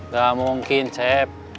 gak mungkin cep